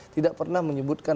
tidak pernah menyebutkan